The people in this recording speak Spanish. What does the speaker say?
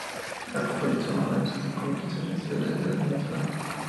Acompañó a su hermano en sus conquistas y recibió la isla mencionada.